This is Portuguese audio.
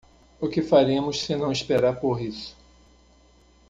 O que faremos senão esperar por isso?